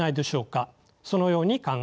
そのように考えます。